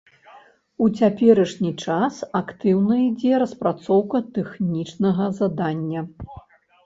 У цяперашні час актыўна ідзе распрацоўка тэхнічнага задання.